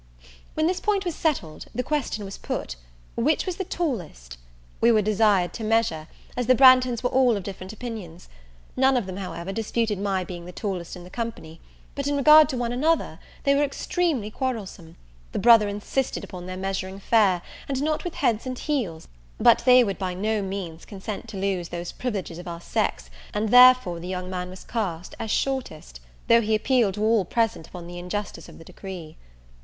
When this point was settled, the question was put, Which was tallest? We were desired to measure, as the Branghtons were all of different opinions. None of them, however, disputed my being the tallest in the company; but, in regard to one another, they were extremely quarrelsome: the brother insisted upon their measuring fair, and not with heads and heels; but they would by no means consent to lose those privileges of our sex; and therefore the young man was cast, as shortest; though he appealed to all present upon the injustice of the decree.